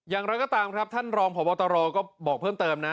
อย่างไรก็ตามครับท่านรองพบตรก็บอกเพิ่มเติมนะ